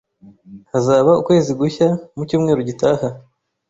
Hazaba ukwezi gushya mu cyumweru gitaha.